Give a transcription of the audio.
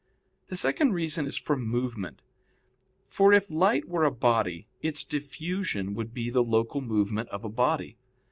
The second reason is from movement. For if light were a body, its diffusion would be the local movement of a body.